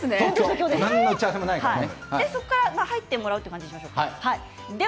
そこから入ってもらうようにしましょうか。